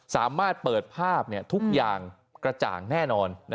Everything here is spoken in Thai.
สามารถเปิดภาพทุกอย่างกระจ่างแน่นอน